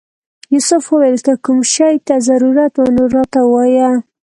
یوسف وویل که کوم شي ته ضرورت و نو راته ووایه.